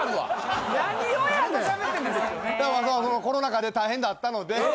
コロナ禍で大変だったので。